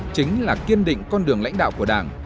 chính là kiên định con đường lãnh đạo của đảng